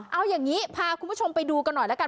เอาอย่างนี้พาคุณผู้ชมไปดูกันหน่อยแล้วกัน